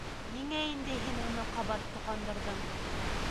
— Ниңә инде һин уны ҡабат тоҡандырҙың?